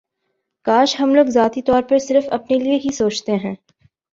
کاش ہم لوگ ذاتی طور پر صرف اپنے لیے ہی سوچتے ہیں